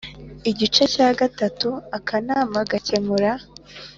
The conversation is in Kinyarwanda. Igice cya gatatu Akanama gakemura